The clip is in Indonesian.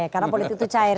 karena politik itu cair